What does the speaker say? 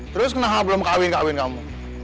terus kenapa belum kawin kawin kamu